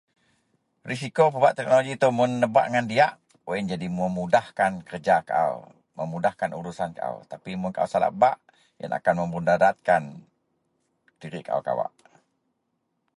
Risiko pebak teknologi ito mun nebak wak diak yian jadi memudahkan kerja kaau urusan kaau tapi yian mun kaau salah bak akan memudaratkan kerja kaau.